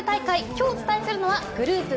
今日お伝えするのはグループＢ